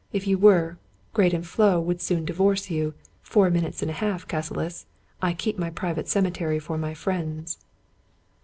If you were, Graden Floe would soon divorce you; four minutes and a half, Cassilis. I keep my private ceme tery for my friends."